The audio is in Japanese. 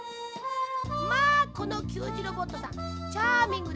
まあこのきゅうじロボットさんチャーミングですね